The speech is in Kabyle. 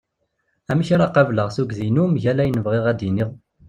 Amek ara qabeleɣ tugdi-inu mgal ayen bɣiɣ ad d-iniɣ?